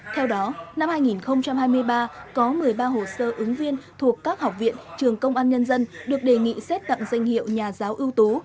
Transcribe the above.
theo đó năm hai nghìn hai mươi ba có một mươi ba hồ sơ ứng viên thuộc các học viện trường công an nhân dân được đề nghị xét tặng danh hiệu nhà giáo ưu tú